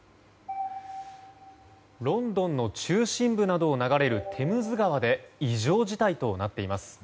ロンドンの中心部などを流れるテムズ川で異常事態となっています。